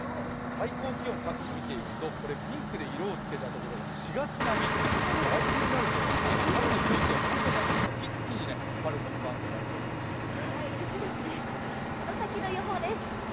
最高気温、各地、見ていくとピンクで色を着けたところが４月並み、来週になると春の空気がどんどんやってきて一気に春本番となりそうなんですね。